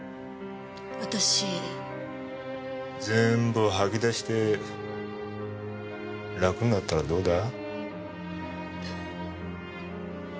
全部吐き出して楽になったらどうだ？